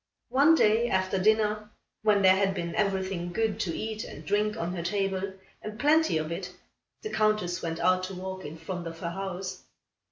One day, after dinner, when there had been everything good to eat and drink on her table, and plenty of it, the Countess went out to walk in front of her house.